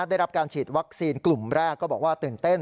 ได้รับการฉีดวัคซีนกลุ่มแรกก็บอกว่าตื่นเต้น